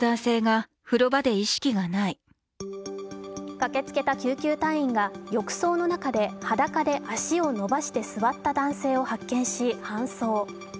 駆けつけた救急隊員が浴槽の中で裸で足を伸ばして座った男性を発見し搬送。